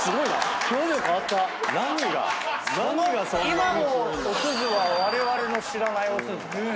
今のおすずはわれわれの知らないおすずだね。